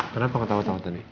kenapa ketawa ketawa tadi